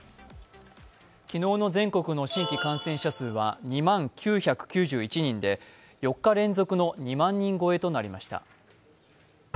昨日の全国の新規感染者数は２万９９１人で４日連続の２万人超えとなりました。